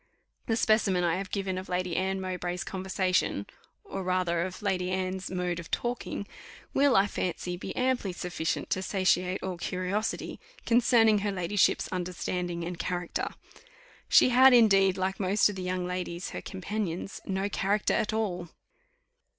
The specimen I have given of Lady Anne Mowbray's conversation, or rather of Lady Anne's mode of talking, will, I fancy, be amply sufficient to satiate all curiosity concerning her ladyship's understanding and character. She had, indeed, like most of the young ladies her companions "no character at all."